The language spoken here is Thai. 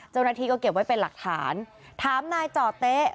เจ้าหน้าที่ก็เก็บไว้เป็นหลักฐานถามนายจ่อเต๊ะ